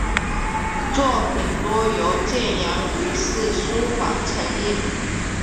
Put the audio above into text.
作品多由建阳余氏书坊承印。